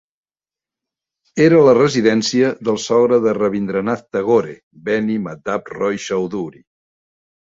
Era la residència del sogre de Rabindranath Tagore, Beni Madhab Roy Chowdhury.